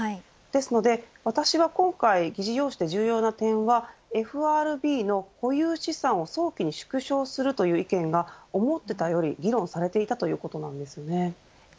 ですので私は今回議事要旨で重要な点はＦＲＢの保有資産を早期に縮小するという意見が思っていたより議論されていたことです。